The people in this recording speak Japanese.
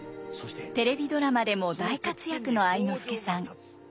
テレビドラマでも大活躍の愛之助さん。